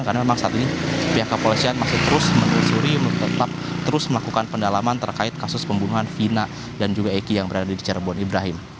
karena memang saat ini pihak kepolisian masih terus menelusuri tetap terus melakukan pendalaman terkait kasus pembunuhan vina dan juga eki yang berada di cirebon ibrahim